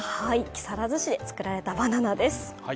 木更津市で作られたバナナです。